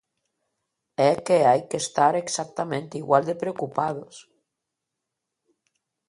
É que hai que estar exactamente igual de preocupados.